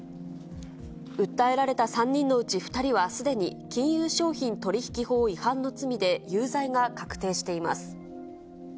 訴えられた３人のうち２人はすでに金融商品取引法違反の罪で有罪が確定しています。